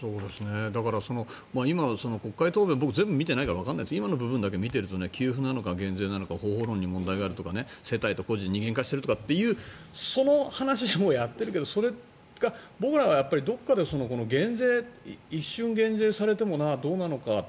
だから、今国会答弁僕、全部見てないからわからないすが今の部分だけ見ていると給付なのか減税なのか方法論に問題があるとか世帯と個人二元化しているというその話もやってるけどそれが僕らが一瞬減税されてもなどうなのか。